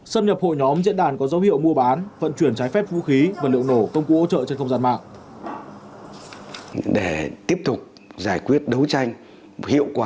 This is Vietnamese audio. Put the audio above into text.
xâm nhập hội nhóm diễn đàn có dấu hiệu mua bán vận chuyển trái phép vũ khí